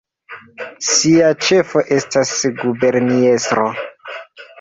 Sia ĉefo estas guberniestro.